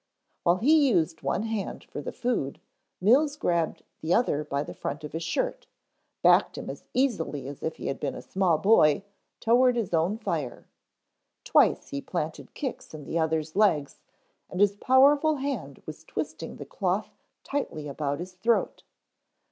While he used one hand for the food, Mills grabbed the other by the front of his shirt, backed him as easily as if he had been a small boy, toward his own fire. Twice he planted kicks in the other's legs, and his powerful hand was twisting the cloth tightly about his throat.